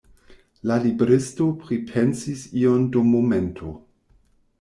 La libristo pripensis ion dum momento.